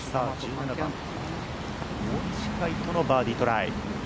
大西魁斗のバーディートライ。